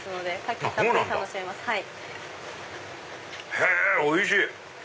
へぇおいしい！